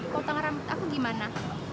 kalau tengah rambut aku gimana